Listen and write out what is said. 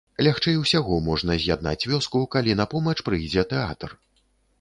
Лягчэй усяго можна з'яднаць вёску, калі на помач прыйдзе тэатр.